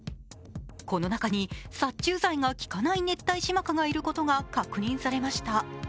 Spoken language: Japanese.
この中に殺虫剤が効かないネッタイシマカがいることが確認されました。